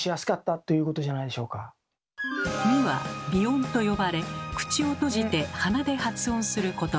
「ん」は「鼻音」と呼ばれ口を閉じて鼻で発音することば。